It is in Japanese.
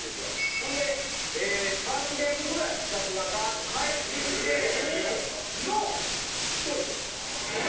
ほんで３００ぐらい企画がガーッと返ってきての１人よ。